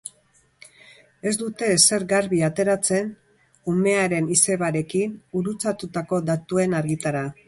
Ez dute ezer garbi ateratzen umearen izebarekin gurutzatutako datuen argitara.